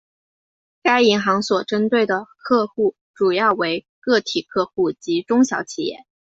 该银行所针对的客户主要为个体客户及中小企业。